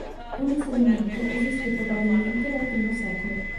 Un insediamento esiste probabilmente dal I sec.